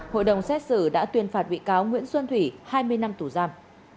hội đồng xét xử đã tuyên phạt bị cáo nguyễn xuân thủy hai mươi năm tù giam